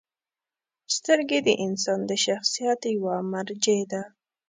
• سترګې د انسان د شخصیت یوه مرجع ده.